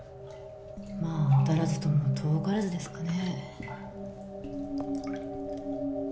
まあ当たらずとも遠からずですかね